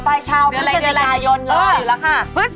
ต่อไปชาวพฤษจิกายนรออยู่หรือแล้วค่ะ